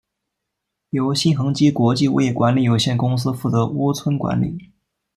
由新恒基国际物业管理有限公司负责屋邨管理。